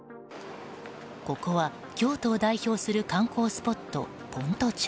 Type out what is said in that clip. ここは京都を代表する観光スポット、先斗町。